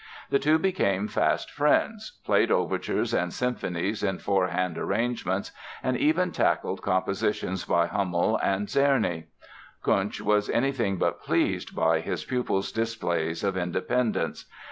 The two became fast friends, played overtures and symphonies in four hand arrangements and even tackled compositions by Hummel and Czerny. Kuntzsch was anything but pleased by his pupil's displays of independence.